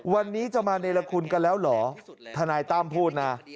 วันนี้จะมาเนรคุณกันแล้วเหรอทนายตั้มพูดนะ